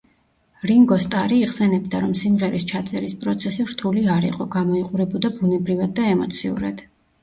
რინგო სტარი იხსენებდა, რომ სიმღერის ჩაწერის პროცესი რთული არ იყო, გამოიყურებოდა ბუნებრივად და ემოციურად.